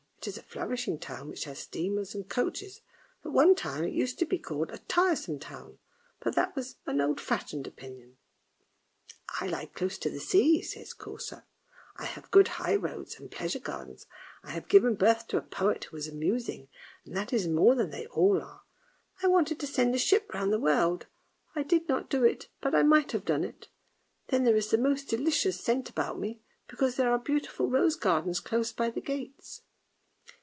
It is a flourishing town, which has steamers and coaches. At one time it used to be called a tiresome town, 1 but that was an old fashioned opinion. " I lie close to the sea," says Korsoer. " I have good high roads and pleasure gardens, I have given birth to a poet who was amusing, and that is more than they all are. I wanted to send a ship round the world, I did not do it, but I might have done it; then there is the most delicious scent about me, because there are beautiful rose gardens close by the gates!